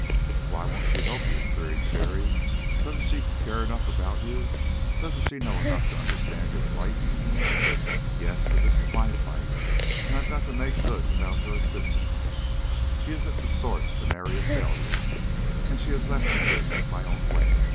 "Why won't she help you?" queried Cherry. "Doesn't she care enough about you? Doesn't she know enough to understand your plight?" "Yes, but this is my fight, and I've got to make good without her assistance. She isn't the sort to marry a failure, and she has left me to make my own way.